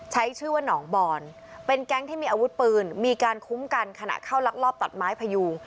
ใช้ชื่อว่าหนองบอนเป็นแก๊งที่มีอาวุธปืนมีการคุ้มกันขณะเข้าลักลอบตัดไม้พยูง